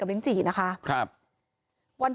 มีเรื่องอะไรมาคุยกันรับได้ทุกอย่าง